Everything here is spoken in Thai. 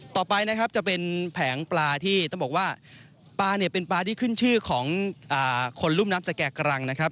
ต่อไปนะครับจะเป็นแผงปลาที่ต้องบอกว่าปลาเนี่ยเป็นปลาที่ขึ้นชื่อของคนรุ่นน้ำสแก่กรังนะครับ